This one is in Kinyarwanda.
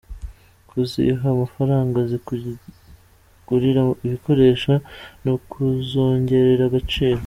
Kuziha amafaranga zikigurira ibikoresho ni ukuzongerera agaciro.